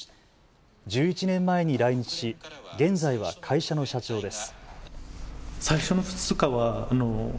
１１年前に来日し現在は会社の社長です。